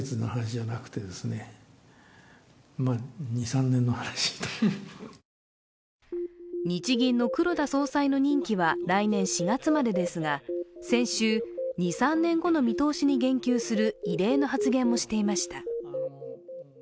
更に日銀の黒田総裁の任期は来年４月までですが、先週、２３年後の見通しに言及する異例の発言もしていました。